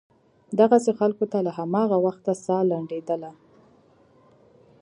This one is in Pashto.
دغسې خلکو ته له هماغه وخته سا لنډېدله.